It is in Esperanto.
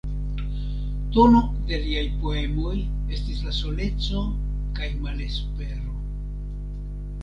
Tono de liaj poemoj estis la soleco kaj malespero.